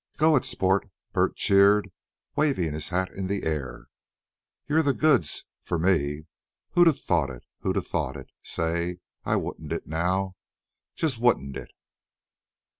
"Go it, sport!" Bert cheered, waving his hat in the air. "You're the goods for me! Who'd a thought it? Who'd a thought it? Say! wouldn't it, now? Just wouldn't it?"